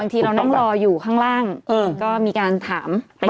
ทีเรานั่งรออยู่ข้างล่างก็มีการถามไป